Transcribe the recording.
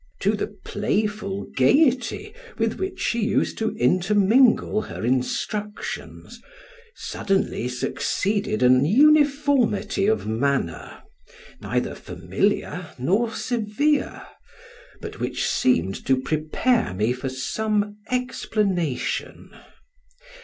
To the playful gayety with which she used to intermingle her instructions suddenly succeeded an uniformity of manner, neither familiar nor severe, but which seemed to prepare me for some explanation.